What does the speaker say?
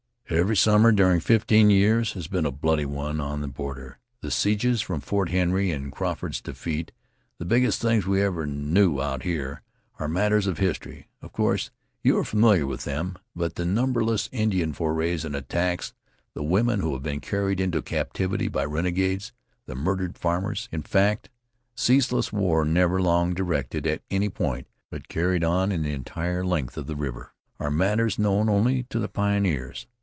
"Every summer during fifteen years has been a bloody one on the border. The sieges of Fort Henry, and Crawford's defeat, the biggest things we ever knew out here, are matters of history; of course you are familiar with them. But the numberless Indian forays and attacks, the women who have been carried into captivity by renegades, the murdered farmers, in fact, ceaseless war never long directed at any point, but carried on the entire length of the river, are matters known only to the pioneers.